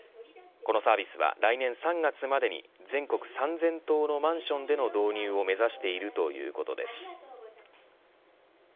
このサービスは、来年３月までに全国３０００棟のマンションでの導入を目指しているということです。